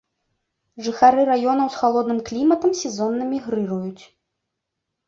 Жыхары раёнаў з халодным кліматам сезонна мігрыруюць.